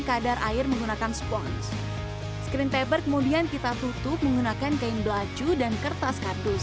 kadar air menggunakan sponge screen paper kemudian kita tutup menggunakan kain belacu dan kertas kardus